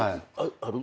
ある？